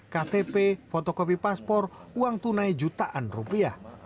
ktp fotokopi paspor uang tunai jutaan rupiah